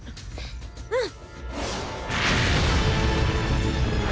うん！